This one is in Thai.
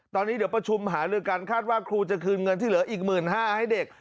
ตอนนี้เดี๋ยวประชุมหาลือกันคาดว่าครูจะคืนเงินที่เหลืออีก๑๕๐๐ให้เด็ก